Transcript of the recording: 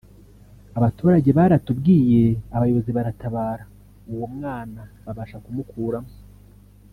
Abaturage baratubwiye abayobozi baratabara uwo mwana babasha kumukuramo